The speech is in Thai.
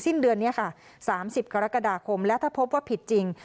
สิ้นเดือนเนี้ยค่ะสามสิบกรกฎาคมแล้วถ้าพบว่าผิดจริง